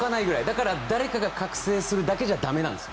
だから、誰かが覚醒するだけじゃ駄目なんです。